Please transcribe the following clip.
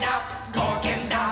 ぼうけんだ！